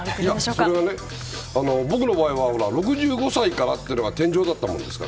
それは、僕の場合は６５歳からというのが天井だったものですくから。